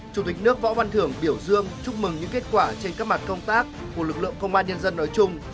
chủ tịch nước võ văn thưởng biểu dương chúc mừng những kết quả trên các mặt công tác của lực lượng công an nhân dân nói chung